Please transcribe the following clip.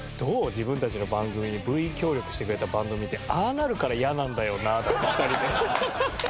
自分たちの番組にＶ協力してくれたバンド見て「ああなるから嫌なんだよな」とか２人で。